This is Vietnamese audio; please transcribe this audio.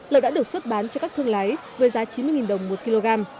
lợn đã được xuất bán cho các thương lái với giá chín mươi đồng một kg